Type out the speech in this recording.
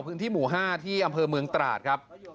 พื้นที่หมู่๕ที่อำเภอเมืองตราดครับ